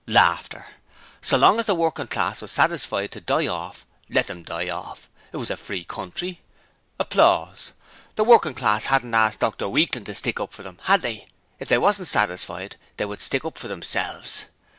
So long as the workin' class was satisfied to die orf let 'em die orf! It was a free country. The workin' class adn't arst Dr Weakling to stick up for them, had they? If they wasn't satisfied, they would stick up for theirselves!